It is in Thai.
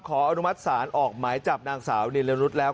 อนุมัติศาลออกหมายจับนางสาวนิรนุษย์แล้ว